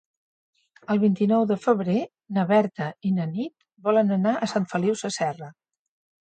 El vint-i-nou de febrer na Berta i na Nit volen anar a Sant Feliu Sasserra.